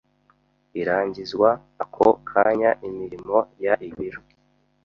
irangizwa ako kanya imirimo y ibiro